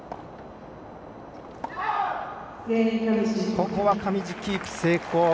ここは上地キープ成功。